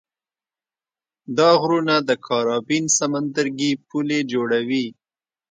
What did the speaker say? دا غرونه د کارابین سمندرګي پولې جوړوي.